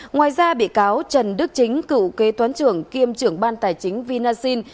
ngoài ra bị cáo trần đức chính cựu kế toán trưởng kiêm trưởng ban tài chính vinasin